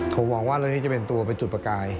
ผมมองว่าเรื่องนี้จะเป็นตัวเป็นจุดประกาย